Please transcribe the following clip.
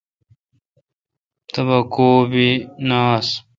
تبہ کوب نہ آس۔